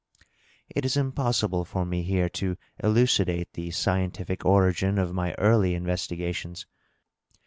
It is impossible for me here to elucidate the scientific origin of my early investigations.